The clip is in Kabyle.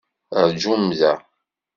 Rjum da!